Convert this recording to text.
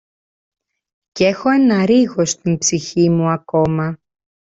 κ’ έχω ένα ρίγος στην ψυχή μου ακόμα